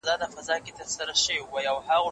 راته راوړی لیک مي رویبار دی